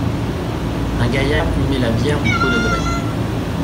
Un gaillard humait la bière du pot de grès.